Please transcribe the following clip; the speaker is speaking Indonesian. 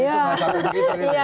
itu gak sampai begitu gitu ya